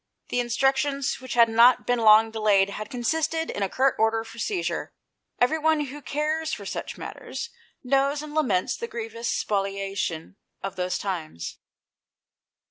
The instructions, which had not been long delayed, had consisted in a curt order for seizure. Everyone who cares for such matters, knows and laments the grievous spolia tion of those times.